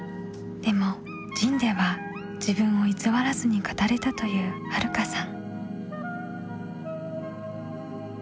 でも「ＺＩＮＥ」では自分を偽らずに語れたというはるかさん。